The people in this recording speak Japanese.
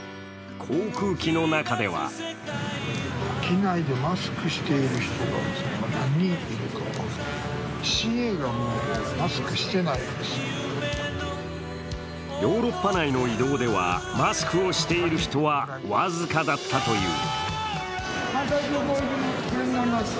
航空機の中ではヨーロッパ内の移動では、マスクをしている人は僅かだったという。